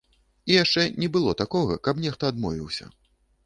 І яшчэ не было такога, каб нехта адмовіўся.